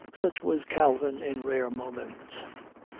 Such was Calvin in rare moments.